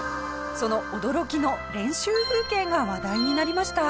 その驚きの練習風景が話題になりました。